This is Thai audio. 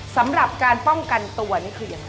สำหรับการป้องกันตัวนี่คือยังไง